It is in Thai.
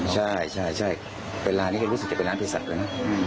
ใช่เวลานี้ก็รู้สึกจะไปน้ำพิสัตว์แล้วนะ